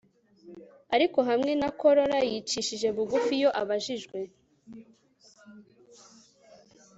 ariko, hamwe na corolla yicishije bugufi iyo abajijwe